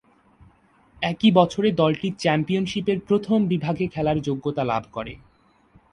একই বছরে দলটি চ্যাম্পিয়নশীপের প্রথম বিভাগে খেলার যোগ্যতা লাভ করে।